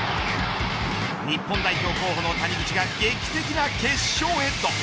日本代表候補の谷口が劇的な決勝ヘッド。